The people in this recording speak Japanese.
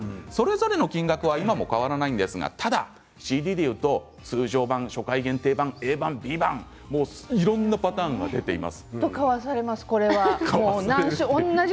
それぞれの金額は今も変わらないですがＣＤでいうと通常版、初回限定版Ａ版、Ｂ版、いろんなパターンが出ています。